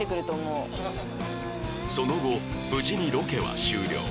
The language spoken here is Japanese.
その後無事にロケは終了